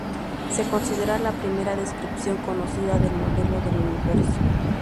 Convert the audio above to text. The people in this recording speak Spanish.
Se considera la primera descripción conocida del modelo del universo.